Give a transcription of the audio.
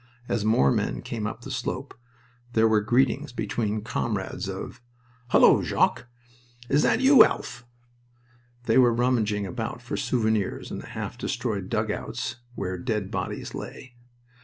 As more men came up the slope there were greetings between comrades, of: "Hullo, Jock!" "Is that you, Alf?" They were rummaging about for souvenirs in half destroyed dugouts where dead bodies lay.